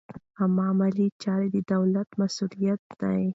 عامه مالي چارې د دولت مسوولیت دی.